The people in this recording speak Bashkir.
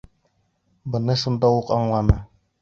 Быны шунда уҡ аңланы!